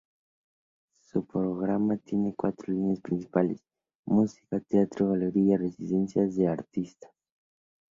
Su programa tiene cuatro líneas principales: música, teatro, galerías, residencia de artistas.